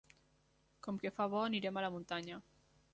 Com que fa bo anirem a la muntanya.